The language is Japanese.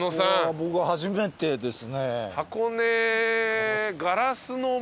僕は初めてですね。